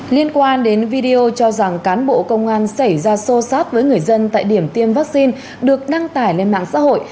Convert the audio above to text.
liên quan đến video cho rằng cán bộ công an xảy ra xô xát với người dân tại điểm tiêm vaccine được đăng tải lên mạng xã hội